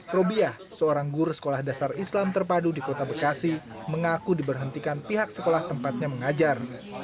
robiah seorang guru sekolah dasar islam terpadu di kota bekasi mengaku diberhentikan pihak sekolah tempatnya mengajar